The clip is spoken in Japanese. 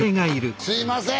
すいません。